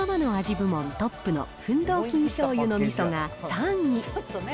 部門トップのフンドーキン醤油のみそが３位。